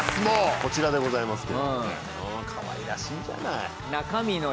こちらでございますけどもね。